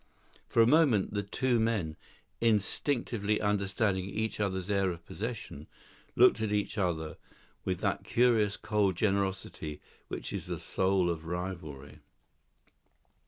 For a moment the two men, instinctively understanding each other's air of possession, looked at each other with that curious cold generosity which is the soul of rivalry.